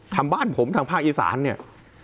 ทำบ้านผมทางภาคอีสานเนี่ย